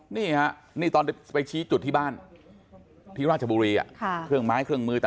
นี่ฮะนี่ตอนไปชี้จุดที่บ้านที่ราชบุรีเครื่องไม้เครื่องมือ